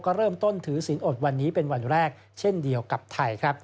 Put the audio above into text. ก็เริ่มต้นถือศีลอดวันนี้เป็นวันแรกเช่นเดียวกับไทยครับ